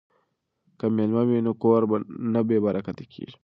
که میلمه وي نو کور نه بې برکته کیږي.